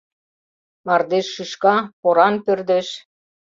Мардеж шӱшка, поран пӧрдеш